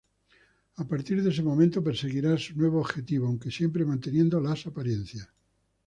A partir de ese momento, perseguirá su nuevo objetivo, aunque siempre manteniendo las apariencias.